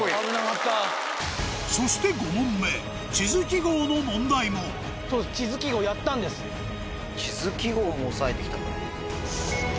そして５問目地図記号の問題も地図記号も押さえて来たか。